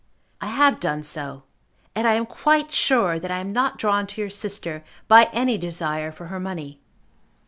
I have done so, and I am quite sure that I am not drawn to your sister by any desire for her money.